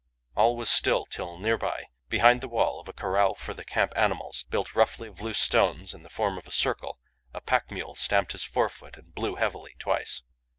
All was still, till near by, behind the wall of a corral for the camp animals, built roughly of loose stones in the form of a circle, a pack mule stamped his forefoot and blew heavily twice.